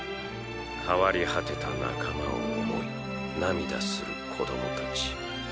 変わり果てた仲間を思い涙する子どもたち。